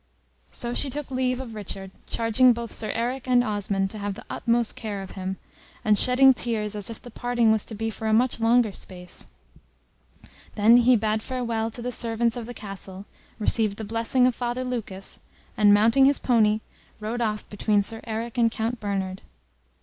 So she took leave of Richard, charging both Sir Eric and Osmond to have the utmost care of him, and shedding tears as if the parting was to be for a much longer space; then he bade farewell to the servants of the castle, received the blessing of Father Lucas, and mounting his pony, rode off between Sir Eric and Count Bernard.